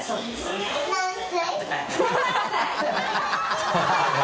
ハハハ